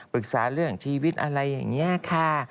ปรึกษาเรื่องชีวิตอะไรอย่างนี้ค่ะ